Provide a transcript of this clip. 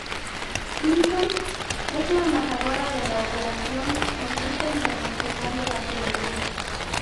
Simpson es la Embajadora de la Operación Sonrisa Internacional de la Juventud.